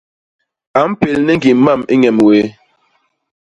A mpél ni ñgim mam i ññem wéé.